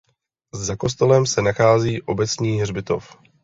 Za kostelem se nachází obecní hřbitov.